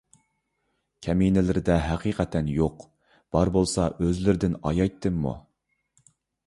كەمىنىلىرىدە ھەقىقەتەن يوق، بار بولسا ئۆزلىرىدىن ئايايتىممۇ؟